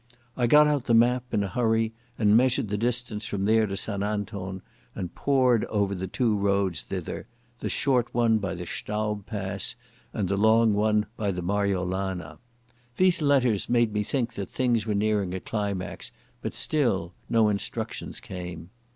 I got out the map in a hurry and measured the distance from there to St Anton and pored over the two roads thither—the short one by the Staub Pass and the long one by the Marjolana. These letters made me think that things were nearing a climax, but still no instructions came.